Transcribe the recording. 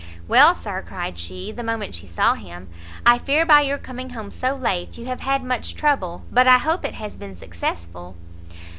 "Well, sir," cried she, the moment she saw him, "I fear by your coming home so late you have had much trouble, but I hope it has been successful?"